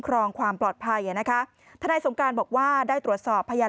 ครองความปลอดภัยอ่ะนะคะทนายสงการบอกว่าได้ตรวจสอบพยาน